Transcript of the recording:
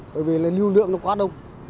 bởi vì lưu lượng nó quá đông